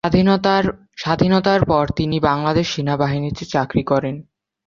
স্বাধীনতার পর তিনি বাংলাদেশ সেনাবাহিনীতে চাকরি করেন।